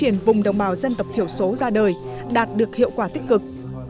vài vấn đề phát triển vùng đồng bào dân tộc thiểu số ra đời đạt được hiệu quả tích cực